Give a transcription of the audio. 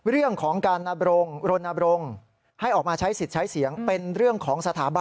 เรื่องของการรณบรงค์ให้ออกมาใช้สิทธิ์ใช้เสียงเป็นเรื่องของสถาบัน